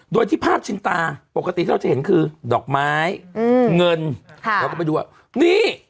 โดยที่ภาพชิ้นตาปกติที่เราจะเห็นคือดอกไม้เงิน